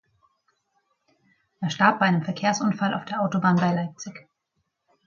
Er starb bei einem Verkehrsunfall auf der Autobahn bei Leipzig.